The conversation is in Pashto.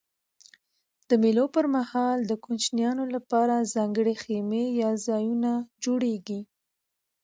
د مېلو پر مهال د کوچنيانو له پاره ځانګړي خیمې یا ځایونه جوړېږي.